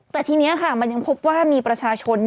แต่ทีนี้ค่ะมันยังพบว่ามีประชาชน